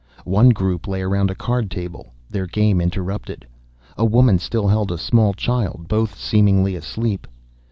One group lay around a card table, their game interrupted. A woman still held a small child, both seemingly asleep.